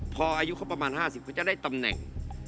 พออายุเขาประมาณ๕๐เขาจะได้ตำแหน่ง